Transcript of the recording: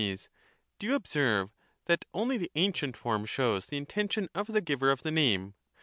Do you observe that only the ancient form shows the intention of the giver of the name?